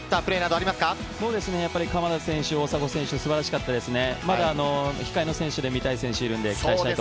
鎌田選手、大迫選手、すばらしかったですね。